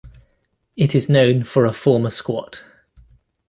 It is known for a former squat.